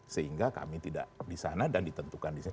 sehingga kami tidak di sana dan ditentukan di sana